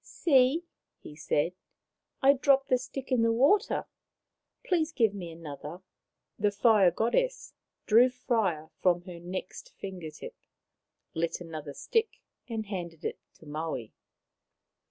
" See," he said, " I dropped the stick in the water. Please give me another." The Fire Goddess drew fire from her next 86 Maoriland Fairy Tales finger tip, lit another stick, and handed it to Maui.